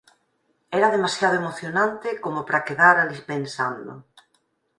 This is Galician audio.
era demasiado emocionante como para quedar alí pensando.